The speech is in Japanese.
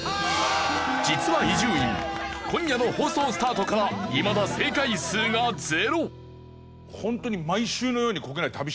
実は伊集院今夜の放送スタートからいまだ正解数が０。